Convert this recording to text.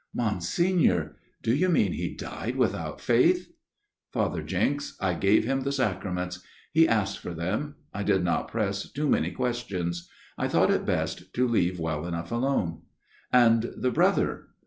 " Monsignor ! Do you mean he died without faith ?" "Father Jenks, I gave him the sacraments. I He asked for them. I did not press too many\\ 30 A MIRROR OF SHALOTT questions ; I thought it best to leave well alone." " And the brother